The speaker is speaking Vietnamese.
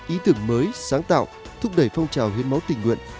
ý tưởng mới sáng tạo thúc đẩy phong trào hiến máu tình nguyện